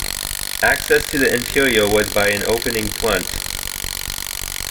Access to the interior was by an opening front.